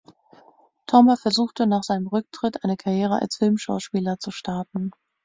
Tomba versuchte nach seinem Rücktritt, eine Karriere als Filmschauspieler zu starten.